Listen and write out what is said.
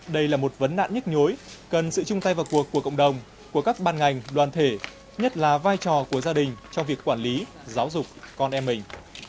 đây là một vấn nạn nhức nhối cần sự chung tay vào cuộc của cộng đồng của các ban ngành đoàn thể nhất là vai trò của gia đình trong việc quản lý giáo dục con em mình